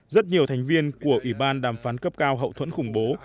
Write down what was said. rất nhiều thành viên của ủy ban đàm phán cấp cao hậu thuẫn khủng bố